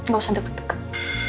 gak usah deket deket